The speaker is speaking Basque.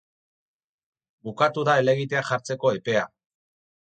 Bukatu da helegitea jartzeko epea.